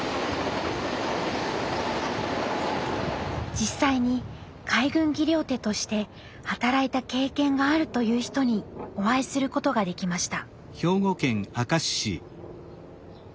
実際に海軍技療手として働いた経験があるという人にお会いすることができました。